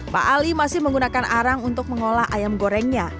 pak ali masih menggunakan arang untuk mengolah ayam gorengnya